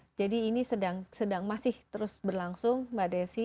iya jadi ini masih terus berlangsung mbak desi